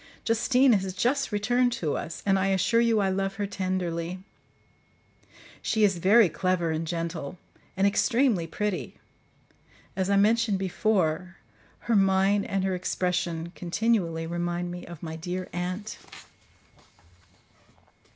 Justine has just returned to us; and I assure you I love her tenderly. She is very clever and gentle, and extremely pretty; as I mentioned before, her mien and her expression continually remind me of my dear aunt.